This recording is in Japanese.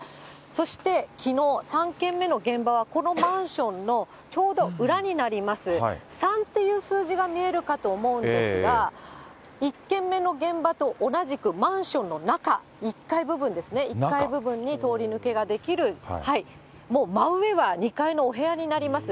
そしてきのう、３件目の現場は、このマンションのちょうど裏になります、３という数字が見えるかと思うんですが、１件目の現場と同じくマンションの中、１階部分ですね、１階部分に通り抜けができる、真上はもう２階のお部屋になります。